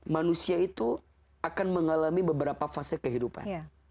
manusia itu akan mengalami beberapa fase kehidupan